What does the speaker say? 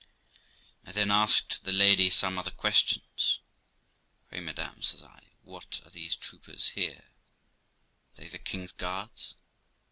I then asked the lady some other questions. 'Pray, madam', says I, 'what are these troopers here? Are they the king's guards